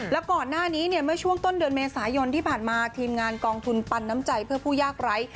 แล้วก่อนหน้านี้เนี่ยเมื่อช่วงต้นเดือนเมษายนที่ผ่านมาทีมงานกองทุนปันน้ำใจเพื่อผู้ยากไร้